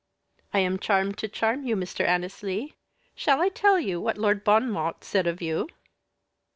"I am charmed to charm you, Mr. Annesley. Shall I tell you what Lord Bon Mot said of you?"